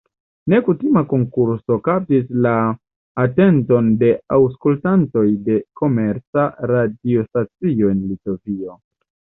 Nekutima konkurso kaptis la atenton de aŭskultantoj de komerca radiostacio en Litovio.